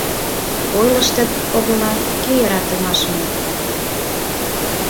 Ойлыштыт огыла, кӧ йӧратымашым ок пале...